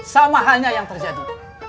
sama halnya yang terjadi